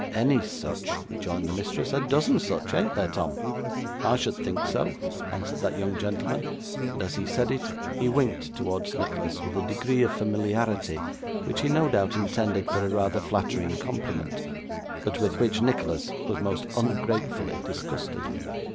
'Any such!' rejoined the mistress; 'a dozen such. An't there, Tom?' 'I should think so,' answered that young gentleman; and as he said it, he winked towards Nicholas, with a degree of familiarity which he, no doubt, intended for a rather flattering compliment, but with which Nicholas was most ungratefully disgusted.